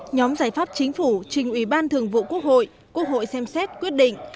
nhóm giải pháp chính phủ trình ủy ban thường vụ quốc hội quốc hội xem xét quyết định